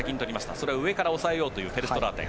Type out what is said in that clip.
それを上から抑えようというフェルストラーテン。